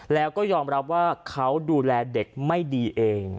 แล้วก็ยอมรับว่าเขาดูแลเด็กไม่ดีเอง